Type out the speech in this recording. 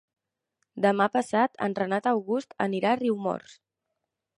Demà passat en Renat August anirà a Riumors.